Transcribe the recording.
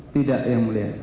tidak yang mulia